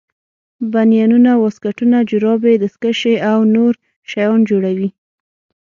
بنینونه واسکټونه جورابې دستکشې او نور شیان جوړوي.